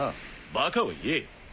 バカを言え。